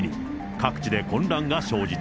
各地で混乱が生じた。